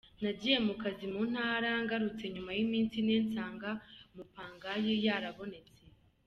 Nagiye mu kazi mu Ntara, ngarutse nyuma y’iminsi ine nsanga umupangayi yarabonetse.